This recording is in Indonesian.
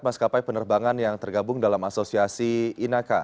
maskapai penerbangan yang tergabung dalam asosiasi inaka